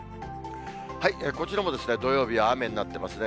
こちらも土曜日は雨になっていますね。